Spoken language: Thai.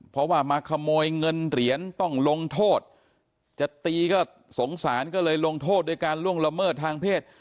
เพราะว่ามาขโมยเงินเหรียญต้องลงโทษจะตีก็สงสารก็เลยลงโทษด้วยการล่วงละเมิดทางเพศ